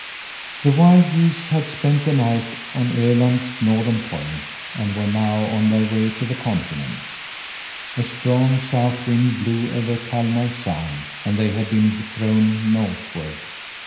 The wild geese had spent the night on Öland's northern point, and were now on their way to the continent. A strong south wind blew over Kalmar Sound, and they had been thrown northward.